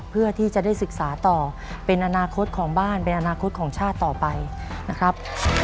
เพื่อที่จะได้ศึกษาต่อเป็นอนาคตของบ้านเป็นอนาคตของชาติต่อไปนะครับ